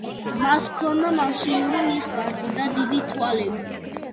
მას ჰქონდა მასიური ნისკარტი და დიდი თვალები.